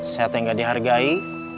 saya tuh yang gak dihargai